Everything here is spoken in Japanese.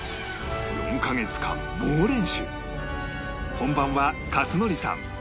本番は克典さん